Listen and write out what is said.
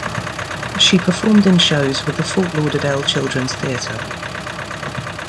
She performed in shows with the Fort Lauderdale Children's Theatre.